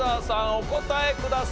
お答えください。